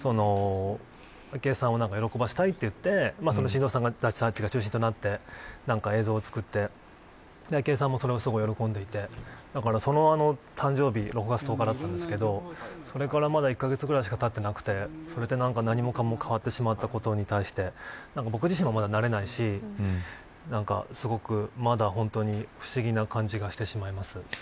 昭恵さんを喜ばせたいといって晋三さんたちが中心となって映像作って昭恵さんもそれをすごい喜んでいてその誕生日６月１０日だったんですけどそれからまだ１カ月ぐらいしかたっていなくて、それから何もかも変わってしまったことに対して僕自身も慣れないし、すごくまだ本当に不思議な感じがしてしまいます。